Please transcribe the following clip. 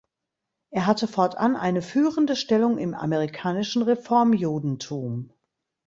Er hatte fortan eine führende Stellung im amerikanischen Reformjudentum.